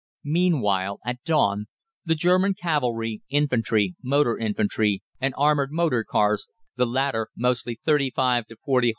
Meanwhile, at dawn, the German cavalry, infantry, motor infantry, and armoured motor cars the latter mostly 35 40 h.p.